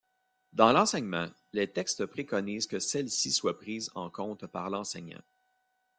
Dans l’enseignement, les textes préconisent que celle-ci soit prise en compte par l’enseignant.